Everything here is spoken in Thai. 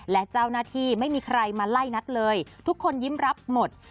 และเจ้าหน้าที่ไม่มีใครมาไล่นัดเลยทุกคนยิ้มรับหมด